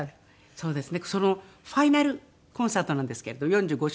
そうですね。